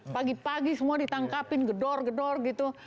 pagi pagi semua ditangkapin gedor gedor gitu